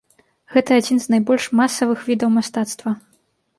Гэта адзін з найбольш масавых відаў мастацтва.